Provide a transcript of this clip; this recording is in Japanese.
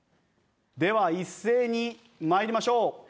では一斉に参りましょう。